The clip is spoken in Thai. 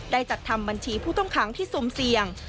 ได้จัดทำบัญชีผู้ต้องคั้งที่ทรงเสี่ยง